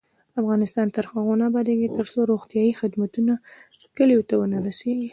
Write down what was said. افغانستان تر هغو نه ابادیږي، ترڅو روغتیایی خدمتونه کلیو ته ونه رسیږي.